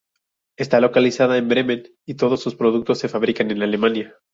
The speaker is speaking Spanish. Está localizada en Bremen y todos sus productos se fabrican en Alemania.